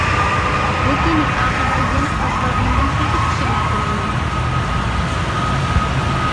لېكىن ئاخىرىدا يەنە ئاز بارغىنىمدىن ھەرگىز پۇشايمان قىلمايمەن.